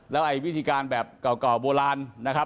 แล้ววิธีการแบบเก่าโบราณ